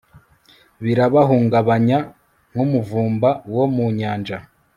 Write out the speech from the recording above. birabahungabanya nk'umuvumba wo mu nyanja